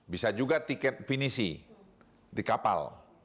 bisa juga tiket finisi di kapal